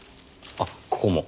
あっここも。